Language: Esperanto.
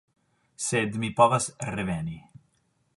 Sed mi povas reveni.